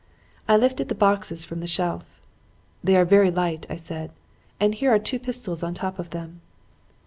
"I lifted the boxes from the shelf. "'They are very light,' I said. 'And here are two pistols on top of them.'